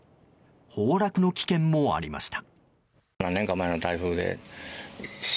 崩落の危険もありました。